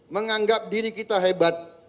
menganggap diri kita hebat